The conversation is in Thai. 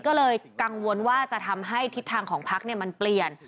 ก็เลยกังวลว่าจะทำให้ทิศทางของพักมันเปลี่ยน